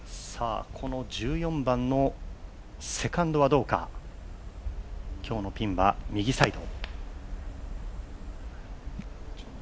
この１４番のセカンドはどうか今日のピンは右サイド。